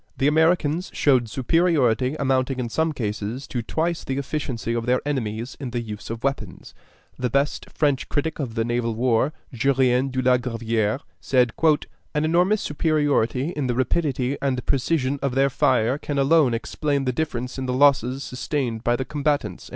The Americans showed superiority amounting in some cases to twice the efficiency of their enemies in the use of weapons. The best French critic of the naval war, Jurien de la Gravière, said: "An enormous superiority in the rapidity and precision of their fire can alone explain the difference in the losses sustained by the combatants."